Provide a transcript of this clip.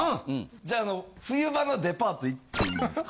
じゃああの冬場のデパートいっていいですか？